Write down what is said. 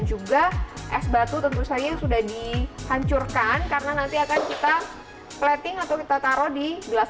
juga es batu tentu saja sudah dihancurkan karena nanti akan kita plating atau kita taruh di gelas